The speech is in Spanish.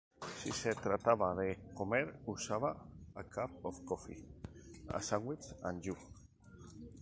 Si se trataba de comer, usaba "A Cup of Coffee, A Sandwich, and You".